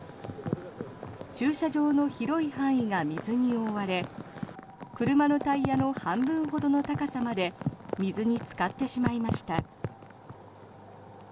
駐車場の広い範囲が水に覆われ車のタイヤの半分ほどの高さまで水につかってしまいました。